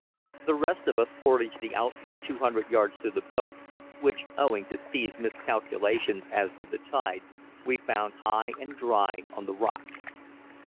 The rest of us portaged the outfit two hundred yards to the boat, which, owing to Steve's miscalculations as to the tide, we found high and dry on the rocks.